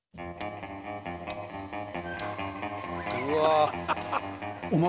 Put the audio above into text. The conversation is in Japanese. うわ！